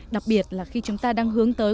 đặc biệt là khi chúng ta đang hướng tới